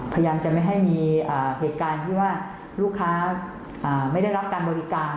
พยายามจะไม่ให้มีเหตุการณ์ที่ว่าลูกค้าไม่ได้รับการบริการ